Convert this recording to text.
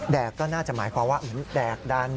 แดกก็น่าจะหมายความว่าแดกดัน